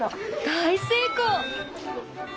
大成功！